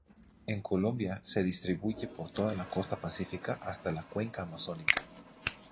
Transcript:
En Colombia, se distribuye por toda la costa pacífica hasta la cuenca amazónica.